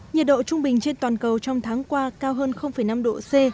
nhiệt độ trung bình trên toàn cầu trong tháng qua cao hơn năm độ c